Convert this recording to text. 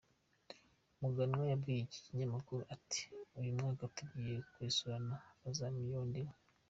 Muganwa yabwiye iki kinyamakuru ati “uyu mwaka tugiye kwesurana bazamenya uwo ndiwe”.